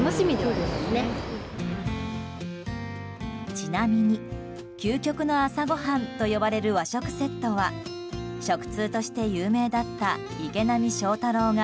ちなみに、究極の朝ごはんと呼ばれる和食セットは食通として有名だった池波正太郎が